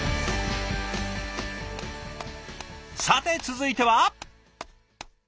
さて続いては？